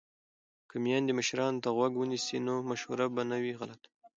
که میندې مشرانو ته غوږ ونیسي نو مشوره به نه وي غلطه.